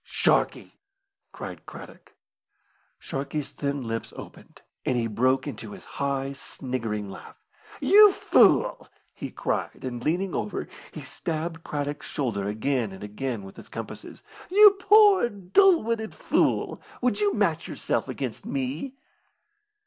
"Sharkey!" cried Craddock. Sharkey's thin lips opened, and he broke into his high, sniggering laugh. "You fool!" he cried, and, leaning over, he stabbed Craddock's shoulder again and again with his compasses. "You poor, dull witted fool, would you match yourself against me?"